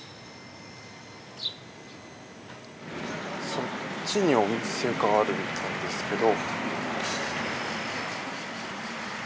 そっちにお店があるみたいですけど。